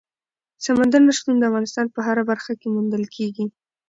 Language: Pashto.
سمندر نه شتون د افغانستان په هره برخه کې موندل کېږي.